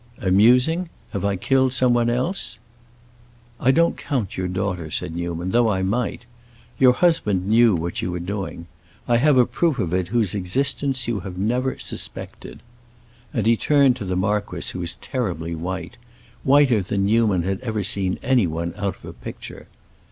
"Amusing? Have I killed someone else?" "I don't count your daughter," said Newman, "though I might! Your husband knew what you were doing. I have a proof of it whose existence you have never suspected." And he turned to the marquis, who was terribly white—whiter than Newman had ever seen anyone out of a picture.